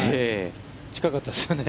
近かったですよね。